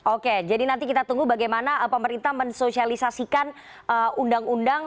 oke jadi nanti kita tunggu bagaimana pemerintah mensosialisasikan undang undang